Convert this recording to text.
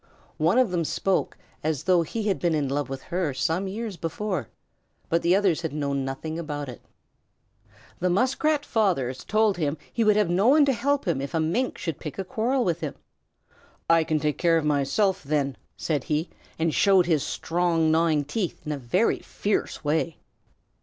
One of them spoke as though he had been in love with her some years before, but the others had known nothing about it. The Muskrat fathers told him that he would have no one to help him if a Mink should pick a quarrel with him. "I can take care of myself then," said he, and showed his strong gnawing teeth in a very fierce way.